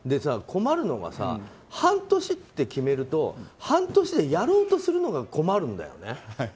困るのが、半年って決めると半年でやろうとするのが困るんだよね。